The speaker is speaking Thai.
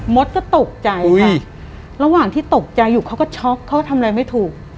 ดก็ตกใจค่ะระหว่างที่ตกใจอยู่เขาก็ช็อกเขาก็ทำอะไรไม่ถูก